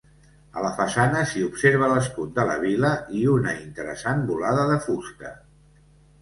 A la façana s'hi observa l'escut de la vila i una interessant volada de fusta.